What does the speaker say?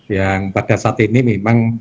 yang pada saat ini memang